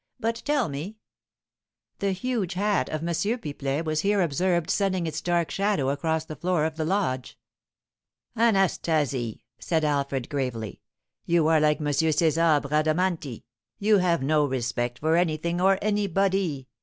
But tell me " The huge hat of M. Pipelet was here observed sending its dark shadow across the floor of the lodge. "Anastasie," said Alfred, gravely, "you are like M. César Bradamanti; you have no respect for anything or anybody.